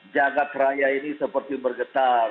jagad raya ini seperti bergetar